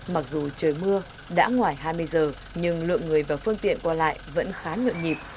mặc dù trời mưa đã ngoài hai mươi giờ nhưng lượng người và phương tiện qua lại vẫn khá nhượng nhịp